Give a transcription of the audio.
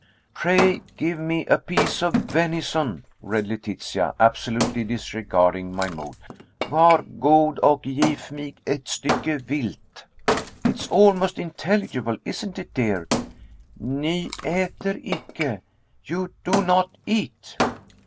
"'Pray, give me a piece of venison,'" read Letitia, absolutely disregarding my mood. "'Var god och gif mig ett stycke vildt.' It is almost intelligible, isn't it, dear? 'Ni äter icke': you do not eat."